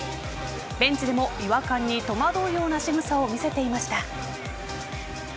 ベンチでも違和感に戸惑うようなしぐさを見せていました。